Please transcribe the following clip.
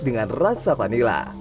dengan rasa vanila